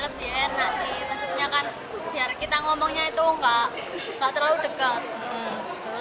maksudnya kan biar kita ngomongnya itu nggak terlalu dekat